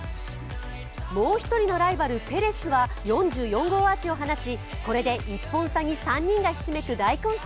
もう１人のライバル、ペレスは４４号アーチを放ちこれで１本差に３人がひしめく大混戦。